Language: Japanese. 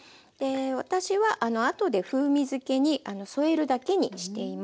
私はあとで風味づけに添えるだけにしています。